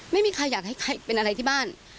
ไม่มีใครอยากให้ใครเป็นอะไรที่บ้าน